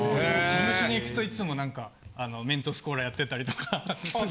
事務所に行くといつも何かメントスコーラやってたりとか。